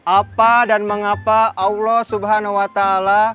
apa dan mengapa allah subhanahu wa ta'ala